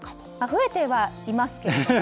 増えてはいますけれどもね。